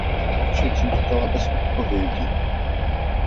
Zpráva však zůstala bez odpovědi.